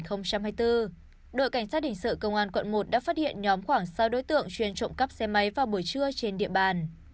đội cảnh sát hình sự công an quận một đã phát hiện nhóm khoảng sáu đối tượng chuyên trộm cắp xe máy vào buổi trưa trên địa bàn